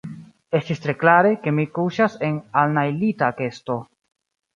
Estis tre klare, ke mi kuŝas en alnajlita kesto.